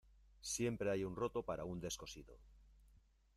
Siempre hay un roto para un descosido.